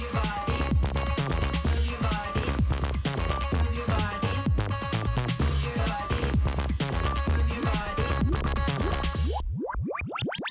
หุ่นเสียเปรียเวิร์ด